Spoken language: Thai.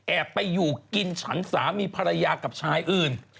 ไปอยู่กินฉันสามีภรรยากับชายอื่น